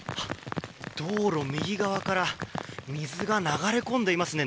道路右側から水が流れ込んでいますね。